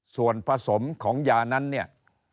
ส่วนผสมของยานั้นเนี่ย